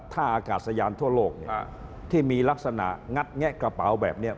ท่าอากาศยานทั่วโลกเนี่ยที่มีลักษณะงัดแงะกระเป๋าแบบนี้